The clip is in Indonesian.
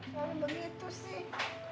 mau begitu sih